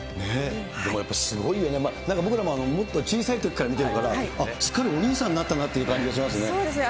でもやっぱりすごいね、なんか僕らももっと小さいときから見てるから、あっ、すっかりお兄さんになったなという感じがしますね。